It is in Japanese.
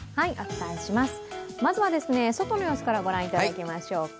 まずは外の様子から御覧いただきましょうか。